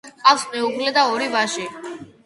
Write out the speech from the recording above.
ჰყავს მეუღლე და ორი ვაჟი.